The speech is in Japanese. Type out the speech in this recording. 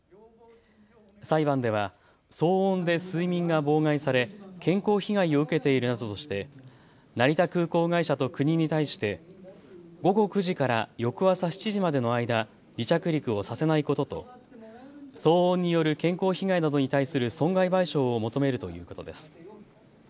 裁判では騒音で睡眠が妨害され健康被害を受けているなどとして成田空港会社と国に対して午後９時から翌朝７時までの間離着陸をさせないことと騒音による健康被害などに対する損害賠償を求めるということです。